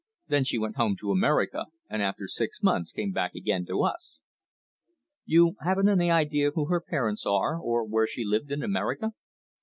Then she went home to America, and after six months came back again to us." "You haven't any idea who her parents are or where she lived in America?"